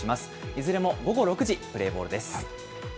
いずれも午後６時、プレーボールです。